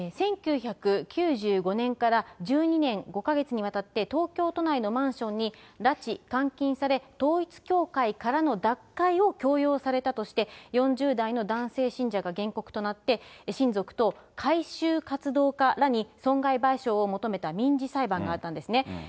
１９９５年から１２年５か月にわたって、東京都内のマンションに拉致・監禁され、統一教会からの脱会を強要されたとして、４０代の男性信者が原告となって、親族と改宗活動家らに損害賠償を求めた民事裁判があったんですね。